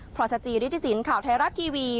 พรสจิริฐศิลป์ข่าวไทยรัฐทีวี